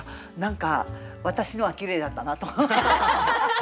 何か私のはきれいだったなと。